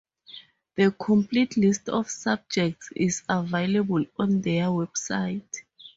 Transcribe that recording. The complete list of subjects is available on their website.